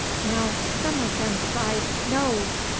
Now some of them cried, "No."